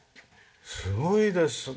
すごいですね。